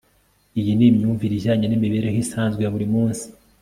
iyi ni imyumvire ijyanye n'imibereho isanzwe ya buri munsi